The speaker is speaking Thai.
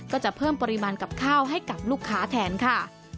ก็จะเพิ่มปริมาณกับข้าวให้กับลูกค้าแทนค่ะ